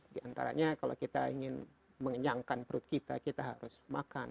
di antaranya kalau kita ingin mengenyangkan perut kita kita harus makan